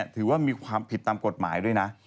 ถือว่ามีความผิดตามกฎหมายด้วยนะ